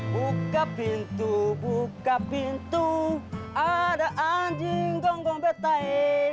buka pintu buka pintu ada anjing gonggong betai